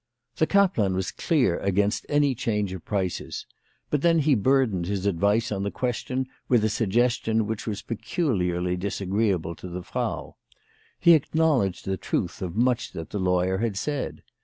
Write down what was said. The kaplan was clear against any change of prices ; but then he burdened his advice on the question with a suggestion which was peculiarly disagreeable to the Frau. He acknowledged the truth of much that the lawyer had said.